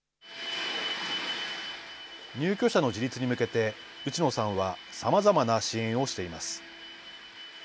入居者の自立に向けて内野さんはさまざまな支援をしています。